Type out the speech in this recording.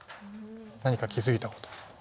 何か気付いたこと。